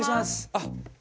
あっ。